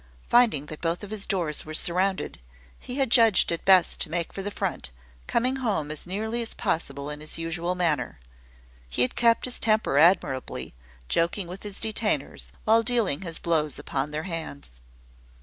Finding that both his doors were surrounded, he had judged it best to make for the front, coming home as nearly as possible in his usual manner. He had kept his temper admirably, joking with his detainers, while dealing his blows upon their hands.